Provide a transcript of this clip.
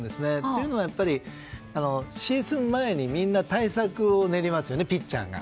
というのは、シーズン前にみんな対策を練りますよねピッチャーが。